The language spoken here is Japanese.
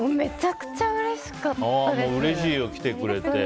うれしいよ、来てくれて。